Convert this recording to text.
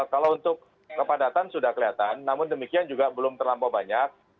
kalau untuk kepadatan sudah kelihatan namun demikian juga belum terlampau banyak